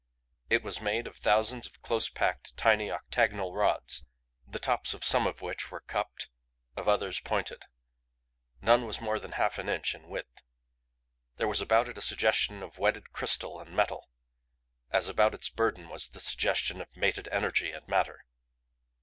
It was made of thousands of close packed tiny octagonal rods the tops of some of which were cupped, of others pointed; none was more than half an inch in width. There was about it a suggestion of wedded crystal and metal as about its burden was the suggestion of mated energy and matter.